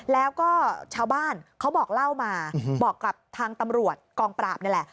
แล้วก็ชาวบ้านเขาบอกเล่ามาบอกกับทางตำรวจกองปราบนี่แหละ